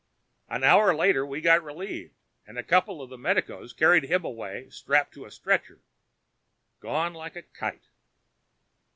An hour later we got relieved and a couple of medicos carried him away strapped to a stretcher gone like a kite.